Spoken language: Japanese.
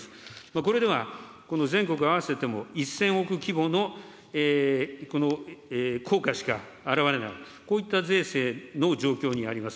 これでは全国合わせても１０００億規模のこの効果しか表れない、こういった税制の状況にあります。